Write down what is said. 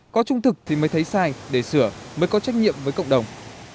có trung thực thì mới thấy sai để sửa mới có trách nhiệm với cộng đồng